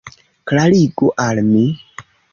Klarigu al mi.